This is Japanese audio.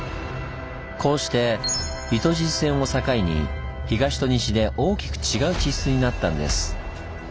こうして糸静線を境に東と西で大きく違う地質になったんです。